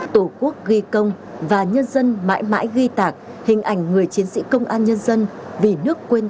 tổ quốc ghi công và nhân dân mãi mãi ghi tạc hình ảnh người chiến sĩ công an nhân dân vì nước quên